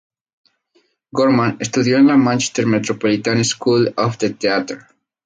Gorman estudió en la Manchester Metropolitan School of Theatre.